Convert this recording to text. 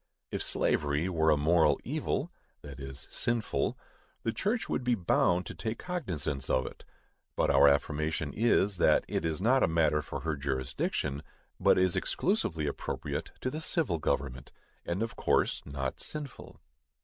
If slavery were a moral evil (that is, sinful), the church would be bound to take cognizance of it; but our affirmation is, that it is not a matter for her jurisdiction, but is exclusively appropriate to the civil government, and of course not sinful.